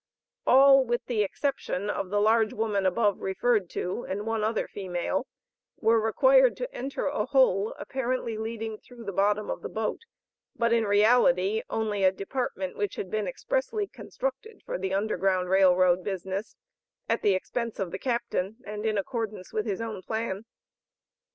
All, with the exception of the large woman above referred to, and one other female, were required to enter a hole apparently leading through the bottom of the boat, but in reality only a department which had been expressly constructed for the Underground Rail Road business, at the expense of the captain, and in accordance with his own plan.